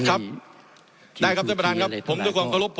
ท่านประธานที่ขอรับครับ